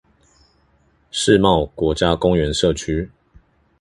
世貿國家公園社區